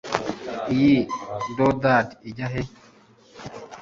Iyi doodad ijya he